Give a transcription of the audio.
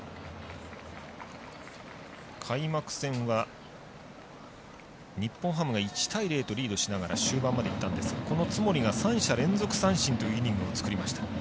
開幕戦は日本ハムが１対０とリードしながら終盤までいったんですがこの津森が３者連続三振というイニングを作りました。